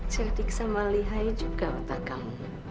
cerdik sama lihai juga otak kamu